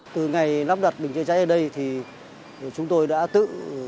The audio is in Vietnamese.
từ ngày lắp đặt bình chữa cháy ở đây thì chúng tôi đã tự